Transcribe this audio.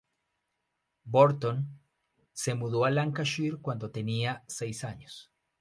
Burton se mudó a Lancashire cuando tenía seis años.